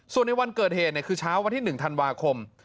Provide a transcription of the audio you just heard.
ส่วนในวันเกิดเหตุคือเช้าวันที่๑ธันวาคม